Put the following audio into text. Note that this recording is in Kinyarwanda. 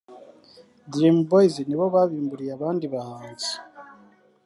Dream Boyz ni bo babimburiye abandi bahanzi